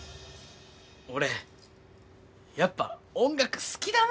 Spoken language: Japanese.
俺やっぱ音楽好きだなあって。